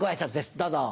どうぞ。